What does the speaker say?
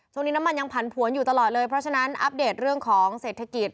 ช่วงนี้น้ำมันยังผันผวนอยู่ตลอดเลยเพราะฉะนั้นอัปเดตเรื่องของเศรษฐกิจ